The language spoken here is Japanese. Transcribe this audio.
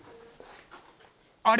［あれ？